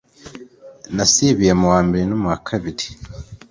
Nasibiye muwa mbere no mu wa kabiri